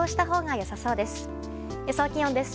予想気温です。